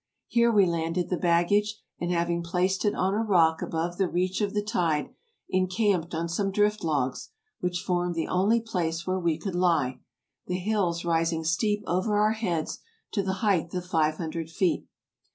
Here we landed the baggage, and having placed it on a rock above the reach of the tide, encamped on some drift logs, which formed the only place where we could lie, the hills rising steep over our heads to the height of five hundred feet.